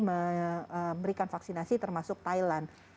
memberikan vaksinasi termasuk thailand